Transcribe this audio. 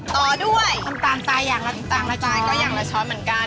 ต่อด้วยมันตามใส่อย่างละช้อนตามใส่ก็อย่างละช้อนเหมือนกัน